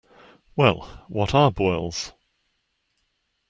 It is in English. Well, what are boils?